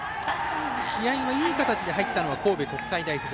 試合はいい形で入ったのは神戸国際大付属。